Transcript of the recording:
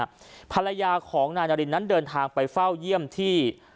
ภรรยาของนายนารินนั้นเดินทางไปเฝ้าเยี่ยมที่